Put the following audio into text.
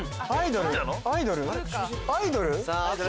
アイドル？アイドル？